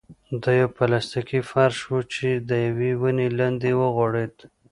دا يو پلاستيکي فرش و چې د يوې ونې لاندې وغوړېد.